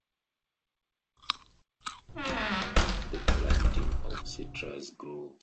This gave rise to the planting of citrus groves.